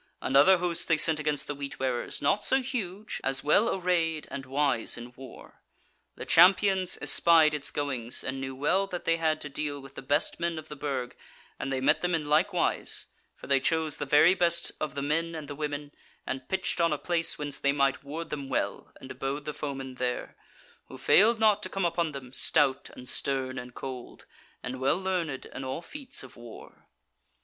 Another host they sent against the Wheat wearers, not so huge, as well arrayed and wise in war. The Champions espied its goings, and knew well that they had to deal with the best men of the Burg, and they met them in like wise; for they chose the very best of the men and the women, and pitched on a place whence they might ward them well, and abode the foemen there; who failed not to come upon them, stout and stern and cold, and well learned in all feats of war.